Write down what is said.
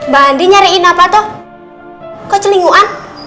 ma'am andi nyariin apa tuh kok celinguan